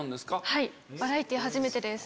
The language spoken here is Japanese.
はいバラエティー初めてです。